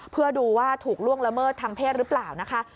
เพื่อดูว่าถูกล่วงละเมิดทางเพศหรือเปล่านะคะ